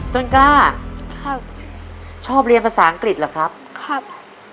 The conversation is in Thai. ต้นกล้าครับชอบเรียนภาษาอังกฤษเหรอครับครับ